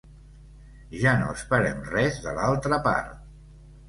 Ja no esperem res de l’altra part.